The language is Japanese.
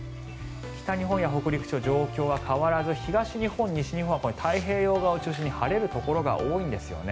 北日本や北陸地方は状況が変わらず東日本、西日本は太平洋側を中心に晴れるところが多いんですね。